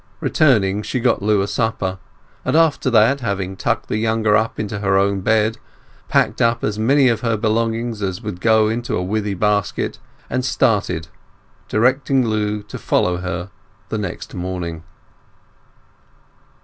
Returning, she got Lu a supper, and after that, having tucked the younger into her own bed, packed up as many of her belongings as would go into a withy basket, and started, directing Lu to follow her next morning.